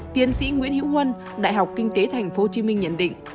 tiến sĩ nguyễn hữu huân đại học kinh tế tp hcm nhận định